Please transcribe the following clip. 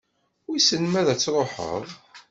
Wissen ma ad truḥeḍ?